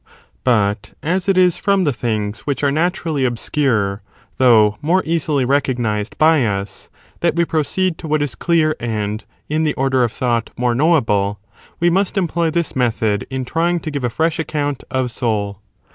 But, as it is from the things which are naturally obscure, though 2 more easily recognised by us, that we proceed to what is clear and, in the order of thought, more knowable, we must employ this method in trying to give a fresh account of soul.